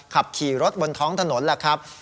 ขับขี่รถบนท้องถนนแหละครับ